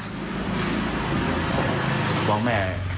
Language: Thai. เขาคูว่าไงบ้างเขาคูว่าไง